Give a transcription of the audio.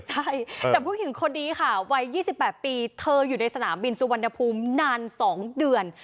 ใช่แต่ผู้หญิงคนนี้ค่ะวัย๒๘ปีเธออยู่ในสนามบินสุวรรณภูมินาน๒เดือน